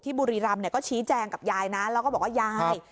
บุรีรำก็ชี้แจงกับยายนะแล้วก็บอกว่ายาย